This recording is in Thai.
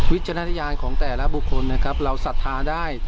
วิจารณะยาลของแต่ละบุคคลนะครับเราศัตรูได้แต่